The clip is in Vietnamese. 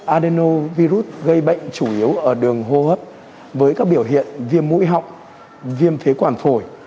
adeno virus gây bệnh chủ yếu ở đường hô hấp với các biểu hiện viêm mũi họng viêm phế quản phổi